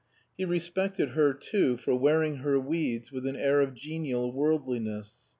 He respected her, too, for wearing her weeds with an air of genial worldliness.